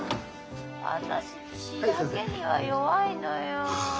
私血だけには弱いのよ。